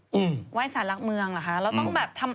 ไหว้ศาลหลักเมืองเหรอคะ